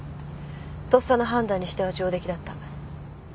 とっさの判断にしては上出来だった。